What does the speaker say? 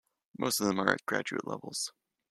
Most of them are at graduate levels.